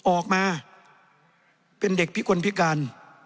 ออกมาเป็นเด็กพิกลพิการ